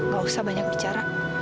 gak usah banyak bicara